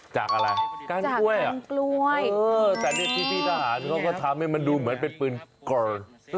จากอะไรก้านกล้วยเหรอเออแต่ที่พี่ทหารเขาก็ทำให้มันดูเหมือนเป็นปืนเกิร์ล